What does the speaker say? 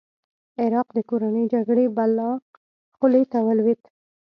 عراق د کورنۍ جګړې بلا خولې ته ولوېد.